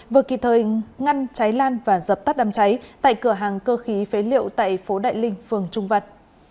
vừa kịp thời ngăn cháy lan và dập tắt đám cháy tại cửa hàng cơ khí phế liệu tại phố đại linh phường trung vật